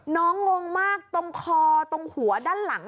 งงมากตรงคอตรงหัวด้านหลัง